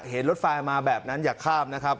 เห็นรถไฟมาแบบนั้นอย่าข้ามนะครับ